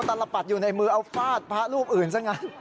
เหาะตลับปัดอยู่ในมือเอาฟาดว่าภาพรูปอื่นซะงั้น